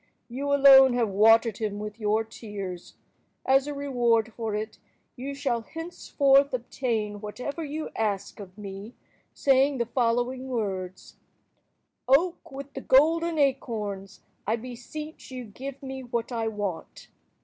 You alone have watered him with your tears. As a reward for it, you shall henceforth obtain whatever you ask of me, saying the following words:— "Oak with the golden acorns, I beseech you give me what I want!"